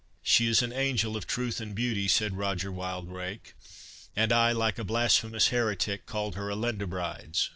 "She is an angel of truth and beauty," said Roger Wildrake; "and I, like a blasphemous heretic, called her a Lindabrides!